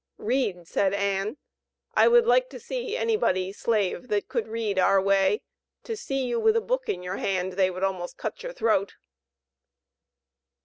"Read," said Ann. "I would like to see anybody (slave) that could read our way; to see you with a book in your hand they would almost cut your throat."